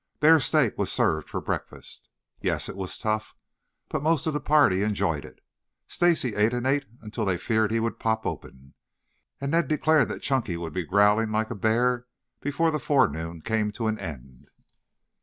Bear steak was served for breakfast. Yes, it was tough, but most of the party enjoyed it. Stacy ate and ate until they feared he would pop open, and Ned declared that Chunky would be growling like a bear before the forenoon came to an end.